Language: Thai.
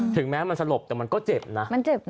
ถึงแม้มันสลบแต่มันก็เจ็บนะ